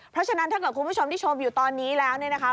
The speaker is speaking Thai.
เพราะฉะนั้นถ้าเกิดคุณผู้ชมที่ชมอยู่ตอนนี้แล้วเนี่ยนะคะ